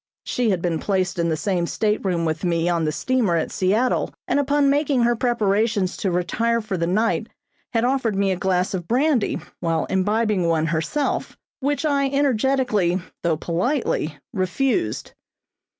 She had been placed in the same stateroom with me on the steamer at Seattle, and upon making her preparations to retire for the night had offered me a glass of brandy, while imbibing one herself, which I energetically, though politely, refused.